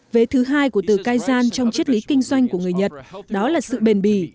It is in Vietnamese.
về thứ hai của từ kaizan trong triết lý kinh doanh của người nhật đó là sự bền bì